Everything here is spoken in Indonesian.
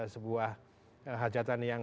sebuah hajatan yang